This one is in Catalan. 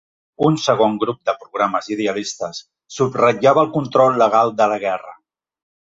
Un segon grup de programes idealistes subratllava el control legal de la guerra.